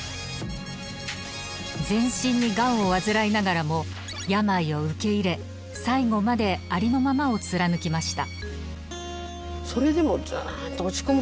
全身にがんを患いながらも病を受け入れ最後までありのままを貫きました。